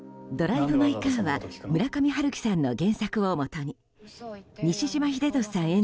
「ドライブ・マイ・カー」は村上春樹さんの原作をもとに西島秀俊さん